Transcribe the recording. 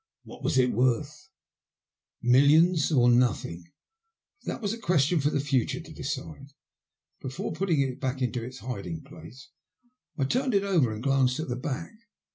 What was it worth ? Millions or nothing ? But that was a question for the future to decide. Before putting it back into its hiding place I turned it over and glanced at the back.